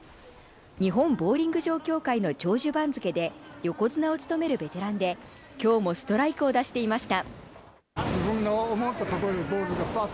日本ボウリング場協会の長寿番付で横綱を務めるベテランで今日もストライクを出していました。